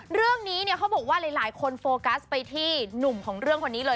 เรื่องนี้เนี่ยเขาบอกว่าหลายคนโฟกัสไปที่หนุ่มของเรื่องคนนี้เลย